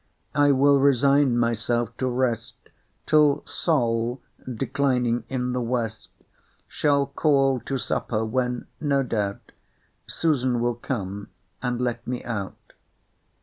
I will resign myself to rest Till Sol, declining in the west, Shall call to supper, when, no doubt, Susan will come and let me out."